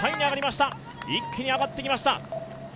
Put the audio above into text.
一気に上がってきました。